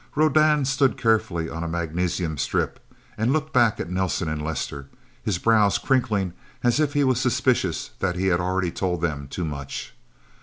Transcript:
Rodan stood carefully on a magnesium strip, and looked back at Nelsen and Lester, his brows crinkling as if he was suspicious that he had already told them too much.